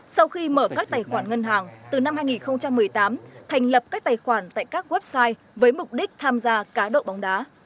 sau khi mở các tài khoản ngân hàng từ năm hai nghìn một mươi tám thành lập các tài khoản tại các website với mục đích tham gia cá độ bóng đá